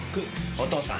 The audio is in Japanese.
お義父さん